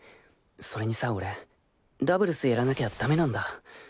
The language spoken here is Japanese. それにさ俺ダブルスやらなきゃダメなんだ。